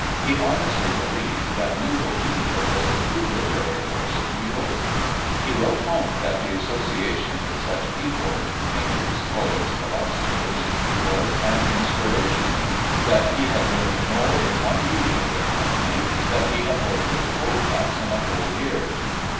He honestly believed that New Bohemia was the true literary force of New York. He wrote home that the association with such people, thinkers, poets, philosophers, was an inspiration; that he had learned more in one week in their company than he had learned in Colfax in a whole year.